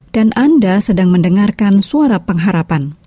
dan anda sedang mendengarkan suara pengharapan